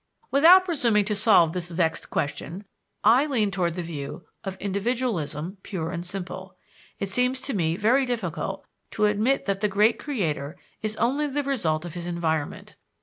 Without presuming to solve this vexed question, I lean toward the view of individualism pure and simple. It seems to me very difficult to admit that the great creator is only the result of his environment.